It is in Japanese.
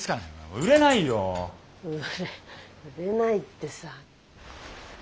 売れないってさ。